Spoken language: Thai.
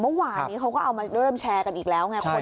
เมื่อวานนี้เขาก็เอามาเริ่มแชร์กันอีกแล้วไงคุณ